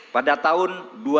pada tahun dua ribu dua belas